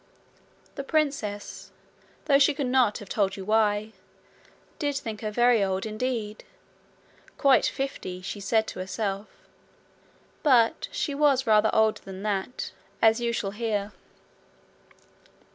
The princess, though she could not have told you why, did think her very old indeed quite fifty, she said to herself. But she was rather older than that, as you shall hear.